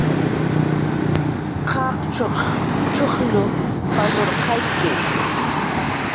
Qaqchuq chujll palarqayki